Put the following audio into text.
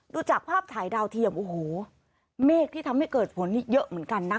ดูจากภาพถ่ายดาวเทียมโอ้โหเมฆที่ทำให้เกิดฝนนี่เยอะเหมือนกันนะ